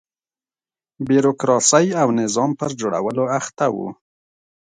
بیروکراسۍ او نظام پر جوړولو اخته و.